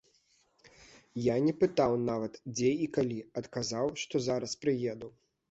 Я не пытаў нават, дзе і калі, адказаў, што зараз прыеду.